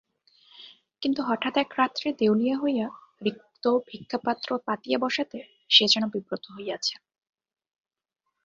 কিন্তু হঠাৎ এক রাত্রে দেউলিয়া হইয়া রিক্ত ভিক্ষাপাত্র পাতিয়া বসাতে সে যেন বিব্রত হইয়াছে।